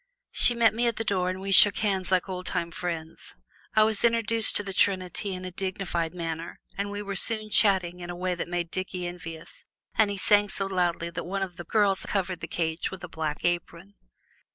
She met me at the door, and we shook hands like old time friends. I was introduced to the trinity in a dignified manner, and we were soon chatting in a way that made Dickie envious, and he sang so loudly that one of the girls covered the cage with a black apron.